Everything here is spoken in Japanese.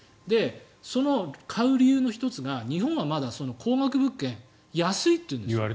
その買う理由の１つが日本はまだ高額物件は安いというんです。